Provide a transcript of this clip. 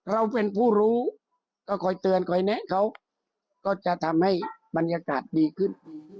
เราเป็นผู้รู้ก็คอยเตือนคอยแนะเขาก็จะทำให้บรรยากาศดีขึ้น